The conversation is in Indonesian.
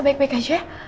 sebaik baik aja ya